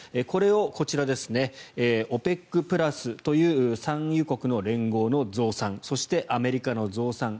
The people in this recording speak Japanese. これをこちらＯＰＥＣプラスという産油国の連合の増産そして、アメリカの増産